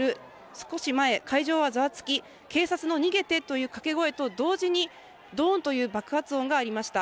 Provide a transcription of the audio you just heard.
少し前、会場はざわつき、警察の逃げてというかけ声と同時にドーンという爆発音がありました。